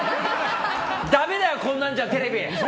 だめだよ、こんなんじゃテレビ！